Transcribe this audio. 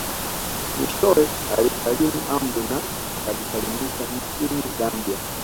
Mwishowe alisalimu amri na akajisalimisha nchini Zambia